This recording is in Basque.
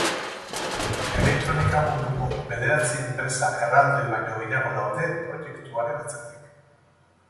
Elektronika munduko bederatzi enpresa erraldoi baino gehiago daude proiektuaren atzetik.